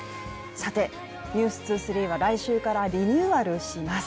さて「ｎｅｗｓ２３」は来週からリニューアルします。